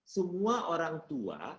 semua orang tua